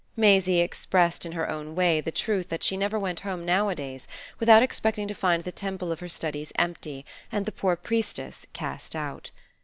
Maisie expressed in her own way the truth that she never went home nowadays without expecting to find the temple of her studies empty and the poor priestess cast out.